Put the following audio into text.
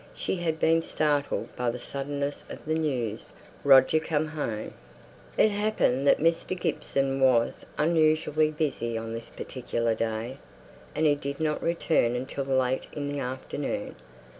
She had been startled by the suddenness of the news. "Roger come home!" It happened that Mr. Gibson was unusually busy on this particular day, and he did not come home till late in the afternoon.